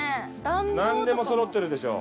なんでもそろってるでしょ。